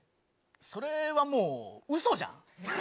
それはもう、ウソじゃん。